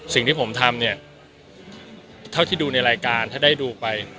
สิ่งที่ผมทำเนี่ยเท่าที่ดูในรายการถ้าได้ดูไป